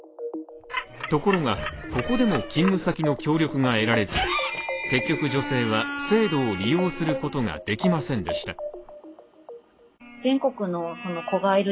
ところが、ここでも勤務先の協力が得られず結局女性は制度を利用することができませんでした。